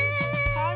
はい。